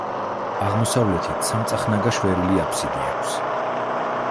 აღმოსავლეთით სამწახნაგა შვერილი აფსიდი აქვს.